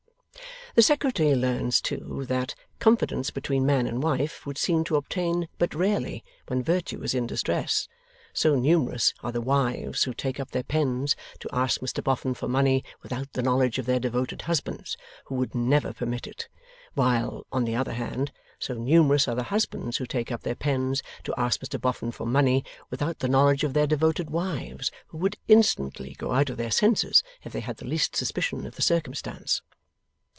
The Secretary learns, too, that confidence between man and wife would seem to obtain but rarely when virtue is in distress, so numerous are the wives who take up their pens to ask Mr Boffin for money without the knowledge of their devoted husbands, who would never permit it; while, on the other hand, so numerous are the husbands who take up their pens to ask Mr Boffin for money without the knowledge of their devoted wives, who would instantly go out of their senses if they had the least suspicion of the circumstance.